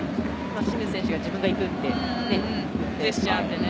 清水選手が、自分が行くってね、ジェスチャーってね。